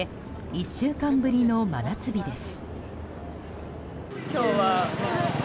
１週間ぶりの真夏日です。